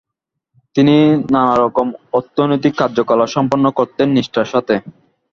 তিনি নানারকম অর্থনৈতিক কার্যকলাপ সম্পন্ন করতেন নিষ্ঠার সাথে।